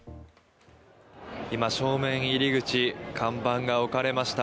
今、正面入口看板が置かれました。